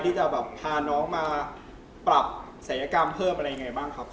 ที่จะแบบพาน้องมาปรับศัยกรรมเพิ่มอะไรยังไงบ้างครับ